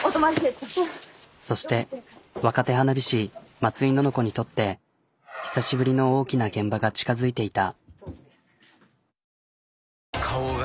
そして若手花火師井のの子にとって久しぶりの大きな現場が近づいていた。